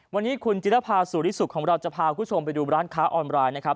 วันนี้คุณจิรภาสุริสุขของเราจะพาคุณผู้ชมไปดูร้านค้าออนไลน์นะครับ